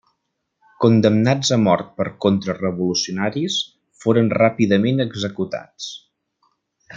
Condemnats a mort per contra-revolucionaris, foren ràpidament executats.